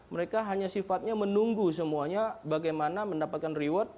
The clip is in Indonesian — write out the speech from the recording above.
mereka hanya sifatnya menunggu semuanya bagaimana mendapatkan reward